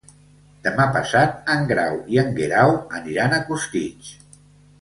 Demà passat en Grau i en Guerau aniran a Costitx.